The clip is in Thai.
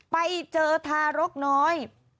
ไปเจอทารกน้อย